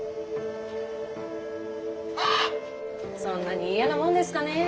そんなに嫌なもんですかねぇ。